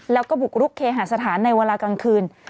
แล้วก็บุกรุกเคหาสถานในเวลากลางคืน